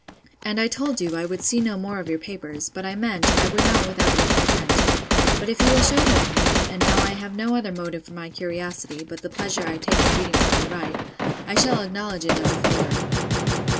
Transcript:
And I told you, I would see no more of your papers; but I meant, I would not without your consent: but if you will shew them to me (and now I have no other motive for my curiosity, but the pleasure I take in reading what you write,) I shall acknowledge it as a favour.